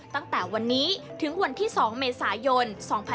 ตั้งแต่วันนี้ถึงวันที่๒เมษายน๒๕๖๒